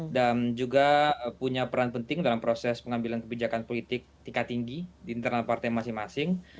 dan juga punya peran penting dalam proses pengambilan kebijakan politik tingkat tinggi di internal partai masing masing